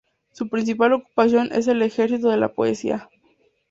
Su principal ocupación es el ejercicio de la poesía.